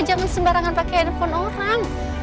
jangan sembarangan pakai handphone orang